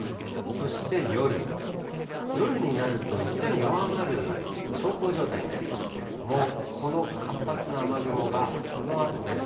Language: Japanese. そして夜、夜になるといったん弱まる、小康状態になりますけれども、この活発な雨雲が、このあとです。